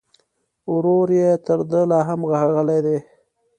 ورور يې تر ده لا هم ښاغلی دی